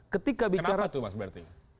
kenapa itu mas berti